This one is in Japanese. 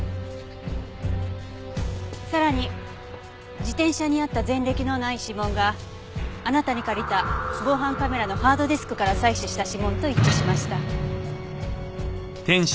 さらに自転車にあった前歴のない指紋があなたに借りた防犯カメラのハードディスクから採取した指紋と一致しました。